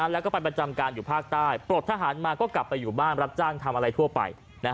แล้วก็ไปประจำการอยู่ภาคใต้ปลดทหารมาก็กลับไปอยู่บ้านรับจ้างทำอะไรทั่วไป